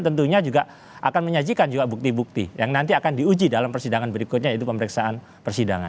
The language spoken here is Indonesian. tentunya juga akan menyajikan juga bukti bukti yang nanti akan diuji dalam persidangan berikutnya yaitu pemeriksaan persidangan